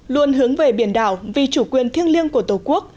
luôn hướng về biển đảo vì chủ quyền thiêng liêng của tổ quốc